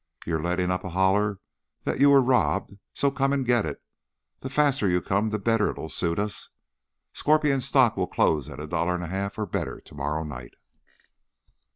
You're letting up a holler that you were robbed, so come and get it. The faster you come the better it'll suit us. Scorpion stock will close at a dollar and a half or better to morrow night."